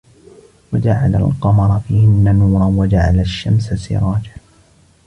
وَجَعَلَ الْقَمَرَ فِيهِنَّ نُورًا وَجَعَلَ الشَّمْسَ سِرَاجًا